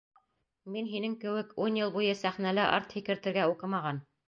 Мин һинең кеүек ун йыл буйы сәхнәлә арт һикертергә уҡымаған!